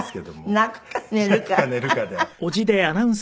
泣くか寝るか？